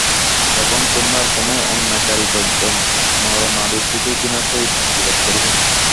তখন তোমরা আর কোন অন্যায়কারী দরিদ্র নরনারীর দিকে ঘৃণার সহিত দৃষ্টিপাত করিবে না।